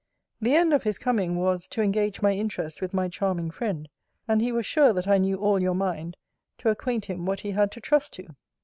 The end of his coming was, to engage my interest with my charming friend; and he was sure that I knew all your mind, to acquaint him what he had to trust to.